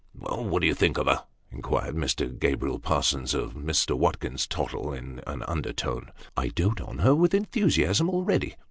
" What do you think of her ?" inquired Mr. Gabriel Parsons of Mr. Watkins Tottle, in an undertone. " I dote on her with enthusiasm already